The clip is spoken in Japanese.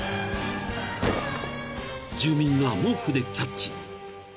［住民が毛布でキャッチ］